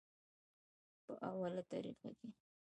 پۀ اوله طريقه کښې